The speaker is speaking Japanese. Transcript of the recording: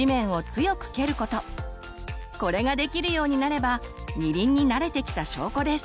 これができるようになれば二輪に慣れてきた証拠です！